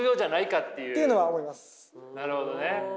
なるほどね。